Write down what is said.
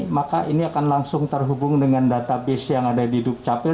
maka ini akan langsung terhubung dengan database yang ada di dukcapil